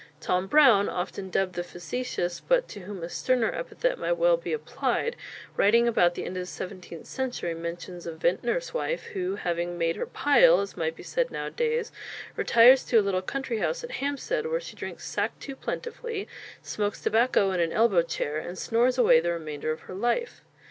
Tom Brown, often dubbed "the facetious," but to whom a sterner epithet might well be applied, writing about the end of the seventeenth century, mentions a vintner's wife who, having "made her pile," as might be said nowadays, retires to a little country house at Hampstead, where she drinks sack too plentifully, smokes tobacco in an elbow chair, and snores away the remainder of her life.